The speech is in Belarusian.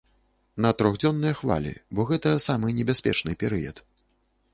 На трохдзённыя хвалі, бо гэта самы небяспечны перыяд.